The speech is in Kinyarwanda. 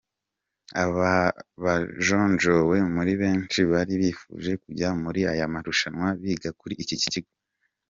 Aba bajonjowe muri benshi bari bifuje kujya muri aya marushanwa biga kuri iki kigo.